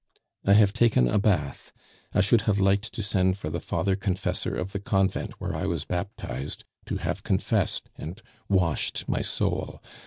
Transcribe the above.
"I have taken a bath; I should have liked to send for the father confessor of the convent where I was baptized, to have confessed and washed my soul.